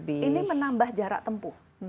ini menambah jarak tempuh